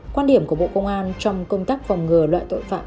quan điểm của bộ công an trong công tác phòng ngừa loại tội phạm